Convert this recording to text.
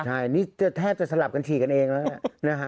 ใช่นี่จะแทบจะสลับกันฉีกกันเองเนี่ย